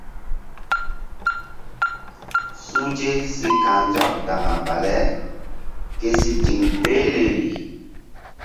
Suhze si ka̧h nzak daŋa bale ke si ziŋ behleri.